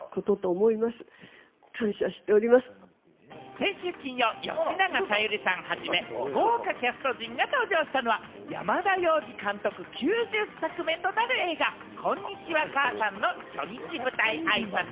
先週金曜、吉永小百合さんはじめ、豪華キャスト陣が登場したのは、山田洋次監督９０作目となる映画『こんにちは、母さん』の初日舞台あいさつ。